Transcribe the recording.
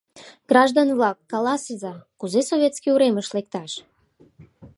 — Граждан-влак, каласыза, кузе Советский уремыш лекташ?